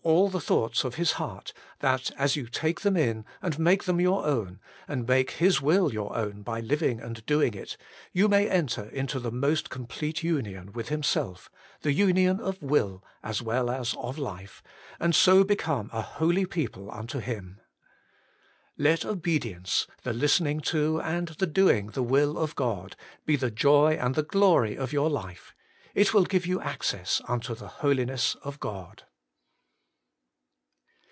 all the thoughts of His heart, that as you take them in, and make them your own, and make His will your own by living and doing it, you may enter into the most complete union with Himself, the union of will as well as of life, and so become a holy people unto Him. Let obedience, the listening to and the doing the will of God, be the joy and the glory of your life ; it will give you access unto the Holiness of God.